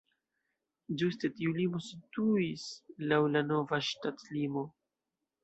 Ĝuste tiu limo situis laŭ la nova ŝtatlimo.